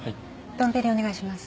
ドンペリお願いします。